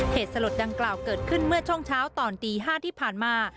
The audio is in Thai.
เหตุสลดดังกล่าวเกิดขึ้นเมื่อช่วงเช้าตอนตี๕ที่ผ่านมา